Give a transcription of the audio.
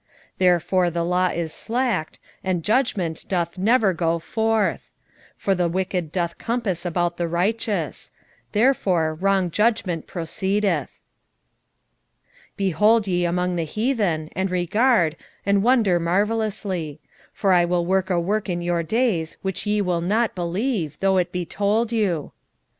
1:4 Therefore the law is slacked, and judgment doth never go forth: for the wicked doth compass about the righteous; therefore wrong judgment proceedeth. 1:5 Behold ye among the heathen, and regard, and wonder marvelously: for I will work a work in your days which ye will not believe, though it be told you.